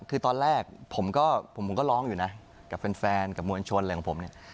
คือตอนแรกผมก็ผมก็ร้องอยู่นะกับแฟนกับมวลชนอะไรของผมเนี่ย